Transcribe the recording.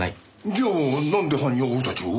じゃあなんで犯人は俺たちを？